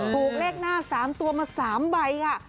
ถูกเลขหน้า๓ตัวมา๓ใบค่ะ